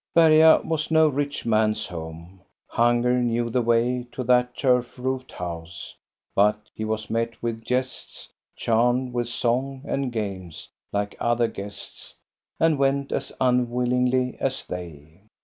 Berga was no rich man's home. Hunger knew the way to that turf roofed 'house; but he was met with jests, charmed with song and games like other guests, and went as unwillingly as they.